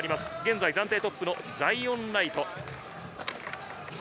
暫定トップのザイオン・ライト。